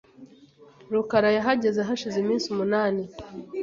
rukara yahageze hashize iminsi umunani .